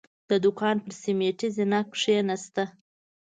د دوکان پر سيميټي زينه کېناسته.